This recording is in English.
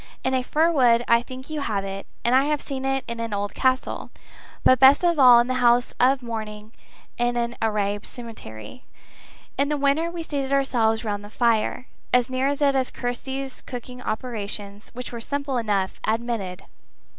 In a fir wood I think you have it; and I have seen it in an old castle; but best of all in the house of mourning in an Arab cemetery. In the winter, we seated ourselves round the fire as near it as Kirsty's cooking operations, which were simple enough, admitted.